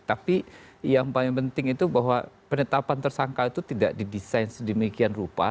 tapi yang paling penting itu bahwa penetapan tersangka itu tidak didesain sedemikian rupa